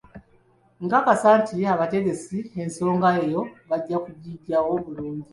Nkakasa nti abategesi ensonga eyo bajja kugiggyayo bulungi